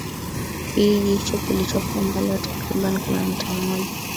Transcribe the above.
Kijiji hicho kilichopo umbali wa takribani kilometa moja